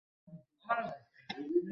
টুকটুকে, বেশ দেখিতে, গানেব।